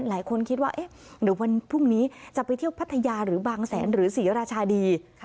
หลายคนคิดว่าเอ๊ะเดี๋ยววันพรุ่งนี้จะไปเที่ยวพัทยาหรือบางแสนหรือศรีราชาดี